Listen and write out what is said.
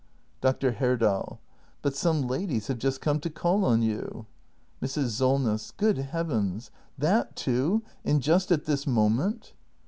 Dr. Herdal. But some ladies have just come to call on you Mrs. Solness. Good heavens, that too ! And just at this moment